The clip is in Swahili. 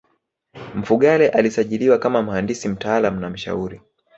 Mfugale alisajiliwa kama mhandisi mtaalamu na mshauri